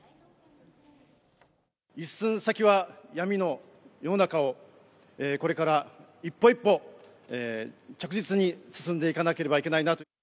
一寸先は闇の世の中をこれから一歩一歩、着実に進んでいかなければいけないなと。